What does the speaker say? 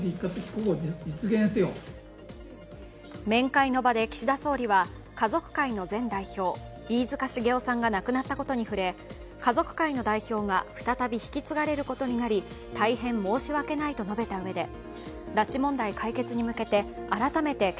面会の場で岸田総理は、家族会の前代表、飯塚繁雄さんが亡くなったことに触れ家族会の代表が再び引き継がれることになり、大変申し訳ないと述べたうえで、